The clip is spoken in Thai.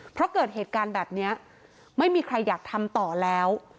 เพราะเกิดเหตุการณ์แบบนี้ไม่มีใครอยากทำต่อแล้ว